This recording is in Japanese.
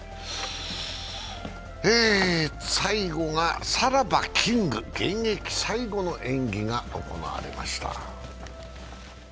最後がさらばキング、現役最後の演技が行われました。